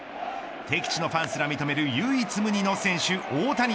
敵地のファンすら認める唯一無二の選手、大谷。